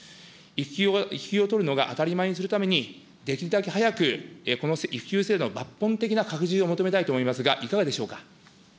育休を取るのが当たり前にするために、できるだけ早くこの育休制度の抜本的な拡充を求めたいと思いますが、いかがでしょうか。